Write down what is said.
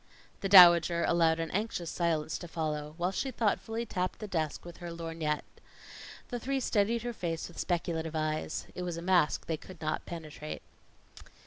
The Dowager allowed an anxious silence to follow, while she thoughtfully tapped the desk with her lorgnette. The three studied her face with speculative eyes. It was a mask they could not penetrate.